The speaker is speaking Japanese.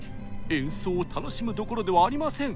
演奏を楽しむどころではありません！